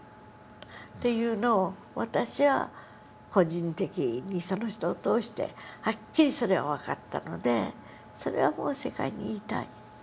というのを私は個人的にその人を通してはっきりそれを分かったのでそれは世界に言いたい。